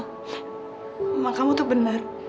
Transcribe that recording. mama kamu itu benar